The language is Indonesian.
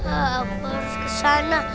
aku harus kesana